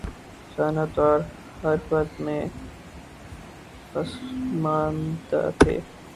صنعت و حرفت میں پسماندہ تھے